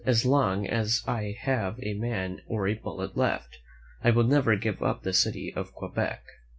As long as I have a man or a bullet left, I will never give up the city of Quebec."